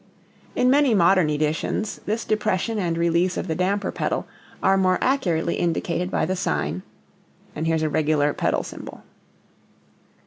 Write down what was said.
In many modern editions this depression and release of the damper pedal are more accurately indicated by the sign [damper symbol].